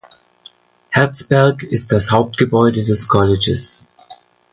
Herzberg ist das Hauptgebäude des Colleges.